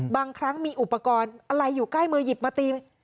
บางครั้งมีอุปกรณ์อะไรอยู่ใกล้มือหยิบมาตี